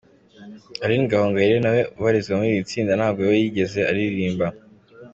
Aline Gahongayire na we ubarizwa muri iri tsinda ntabwo we yigeze aririmba.